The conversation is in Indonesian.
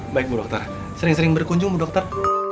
baik bu dokter sering sering berkunjung ibu dokter